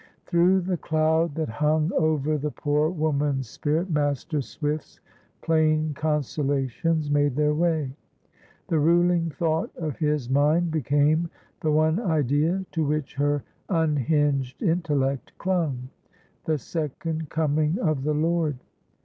Through the cloud that hung over the poor woman's spirit, Master Swift's plain consolations made their way. The ruling thought of his mind became the one idea to which her unhinged intellect clung,—the second coming of the Lord.